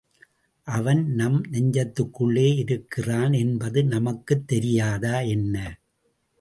அவன் நம் நெஞ்சத்துக்குள்ளே இருக்கிறான் என்பது நமக்குத் தெரியாதா என்ன?